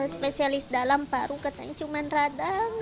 spesialis dalam paru katanya cuma radang